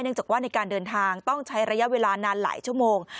จากว่าในการเดินทางต้องใช้ระยะเวลานานหลายชั่วโมง